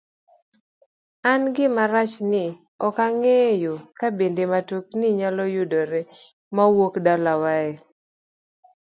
an gima rach ni ok nang'eyo kabende motokni nyalo yudore mawuok dalawa e